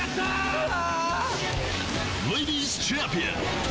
うわ！